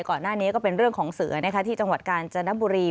ก็เป็นเรื่องของเสือที่จังหวัดกาญจนบุรี